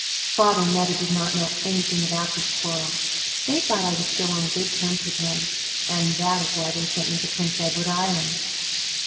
Father and Mother did not know anything about this quarrel; they thought I was still on good terms with him and that is why they sent me to Prince Edward Island.